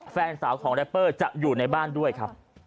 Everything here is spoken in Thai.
แฟนสาวของแรปเปอร์จะอยู่ในบ้านด้วยครับ